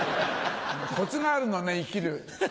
コツがあるのね生きる。